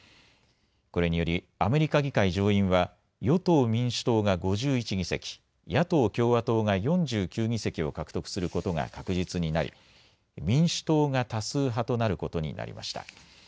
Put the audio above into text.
これによりアメリカ議会上院は与党・民主党が５１議席、野党・共和党が４９議席を獲得することが確実になり民主党が多数派となることになりました。